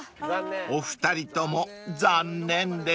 ［お二人とも残念でした］